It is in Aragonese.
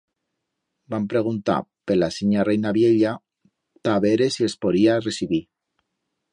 Van preguntar per la sinya Reina viella ta vere si els poría recibir.